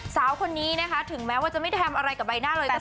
สาวคนนี้นะคะถึงแม้ว่าจะไม่ได้ทำอะไรกับใบหน้าเลย